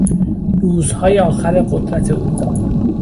روزهای آخر قدرت او